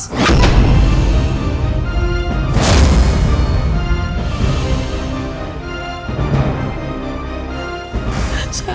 jika kamu mau mencari masalah